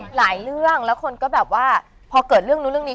หลายเรื่องแล้วคนก็แบบว่าพอเกิดเรื่องนู้นเรื่องนี้